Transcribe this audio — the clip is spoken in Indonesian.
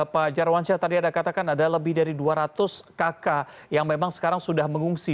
pak jarwansyah tadi ada katakan ada lebih dari dua ratus kakak yang memang sekarang sudah mengungsi